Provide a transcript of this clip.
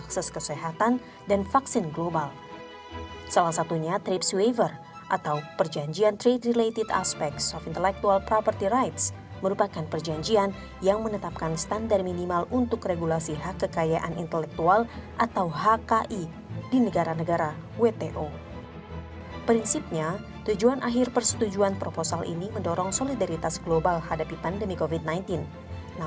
sebenarnya salah satu masalah yang kita ada sekarang adalah banyak narkotik yang berpindah ke eropa dan ke kota lain